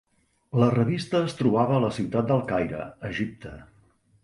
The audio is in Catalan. La revista es trobava a la ciutat del Caire, Egipte.